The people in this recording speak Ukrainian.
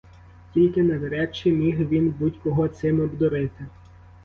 Тільки навряд чи міг він будь-кого цим обдурити.